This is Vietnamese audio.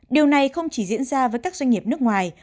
điều này không chỉ diễn ra với các doanh nghiệp nước ngoài